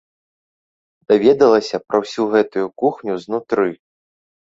Даведалася пра ўсю гэтую кухню знутры.